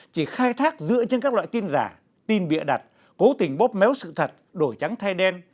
chỉ khai thác dựa trên các loại tin giả tin bịa đặt cố tình bóp méo sự thật đổi trắng thay đen